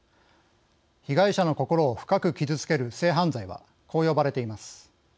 被害者の心を深く傷つける性犯罪はこう呼ばれています。